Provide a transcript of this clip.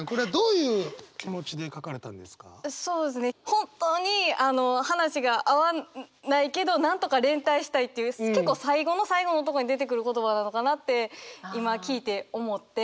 本当に話が合わないけどなんとか連帯したいっていう結構最後の最後のとこに出てくる言葉なのかなって今聞いて思って。